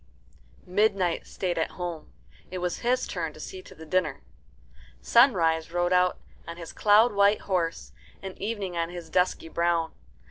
Midnight stayed at home. It was his turn to see to the dinner. Sunrise rode out on his cloud white horse, and Evening on his dusky brown.